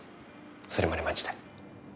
それまで待ちたい。